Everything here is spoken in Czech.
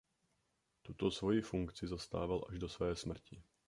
Tuto svoji funkci zastával až do své smrti.